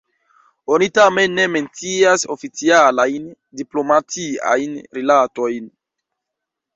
Oni tamen ne mencias oficialajn diplomatiajn rilatojn.